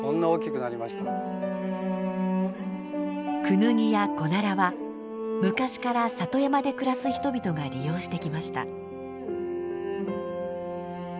クヌギやコナラは昔から里山で暮らす人々が利用してきました。